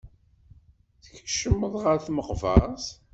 Tkeccmeḍ ɣer tmeqbert.